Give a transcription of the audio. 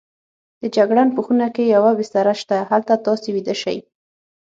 د جګړن په خونه کې یوه بستره شته، هلته تاسې ویده شئ.